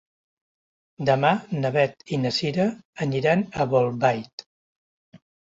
Demà na Beth i na Cira aniran a Bolbait.